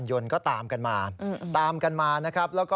มันเกิดเหตุเป็นเหตุที่บ้านกลัว